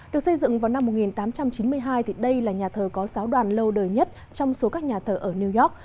được xây dựng vào năm một nghìn tám trăm chín mươi hai đây là nhà thờ có giáo đoàn lâu đời nhất trong số các nhà thờ ở new york